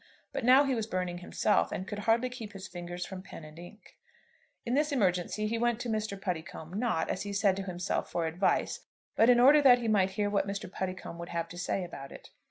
But now he was burning himself, and could hardly keep his fingers from pen and ink. In this emergency he went to Mr. Puddicombe, not, as he said to himself, for advice, but in order that he might hear what Mr. Puddicombe would have to say about it.